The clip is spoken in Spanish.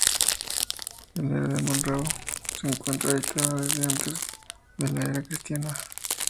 El área de Murnau se encuentra habitada desde antes de la era cristiana.